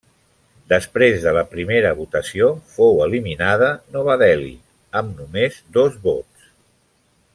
Després de la primera votació fou eliminada Nova Delhi, amb només dos vots.